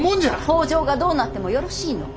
北条がどうなってもよろしいの？